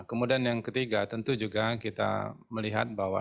kemudian yang ketiga tentu juga kita melihat bahwa